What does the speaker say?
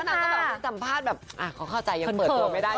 ไว้ในสัมภาษณ์แบบเค้าเข้าใจยังเปิดตัวไม่ได้